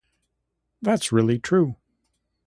That's really true.